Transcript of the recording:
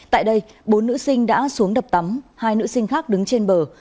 tại đây bốn nữ sinh đã xuống đập tắm hai nữ sinh khác đứng trên bờ